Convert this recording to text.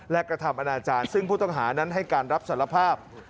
และกระทำอนาจารย์ซึ่งผู้ต้องหานั้นให้การรับสารภาพ